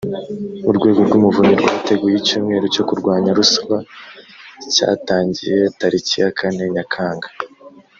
urwego rw’umuvunyi rwateguye icyumweru cyo kurwanya ruswa cyatangiye tariki ya kane nyakanga.